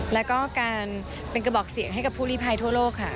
แล้วก็การเป็นกระบอกเสียงให้กับผู้ลิภัยทั่วโลกค่ะ